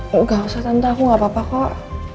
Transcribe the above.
gak usah tante aku gak apa apa kok